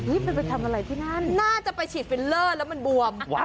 มันไปทำอะไรที่นั่นน่าจะไปฉีดฟิลเลอร์แล้วมันบวม